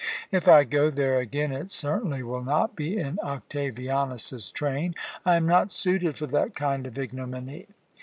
If I go there again, it certainly will not be in Octavianus's train. I am not suited for that kind of ignominy.